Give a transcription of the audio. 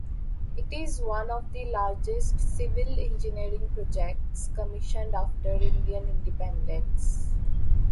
It is one of the largest civil engineering projects commissioned after Indian independence.